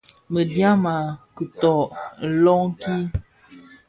Medyan i kiton lonkin.